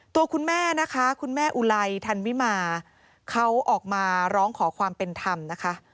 ตัวคุณแม่นะคะคุณแม่อุไลทันวิมาเขาออกมาร้องขอความเป็นธรรมนะคะ